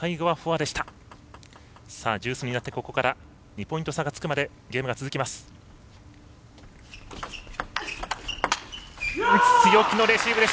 デュースになってここから２ポイント差になるまでゲームが続きます。